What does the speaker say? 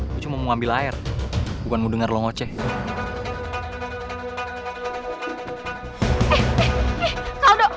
gue cuma mau ngambil air bukan mau denger lo ngoceh